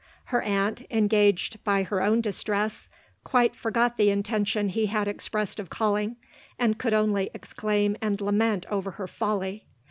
Her aunt, engaged by her own distress, quite forgot the intention he had expressed of calling, and could only exclaim and lament over her foil v.